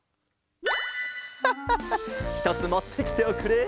ハッハッハひとつもってきておくれ。